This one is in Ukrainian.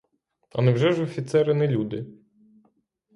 А невже ж офіцери не люди?